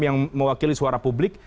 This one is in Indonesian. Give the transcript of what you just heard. yang mewakili suara publik